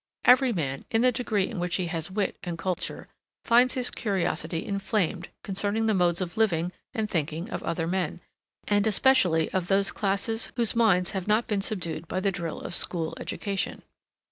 Every man, in the degree in which he has wit and culture, finds his curiosity inflamed concerning the modes of living and thinking of other men, and especially of those classes whose minds have not been subdued by the drill of school education.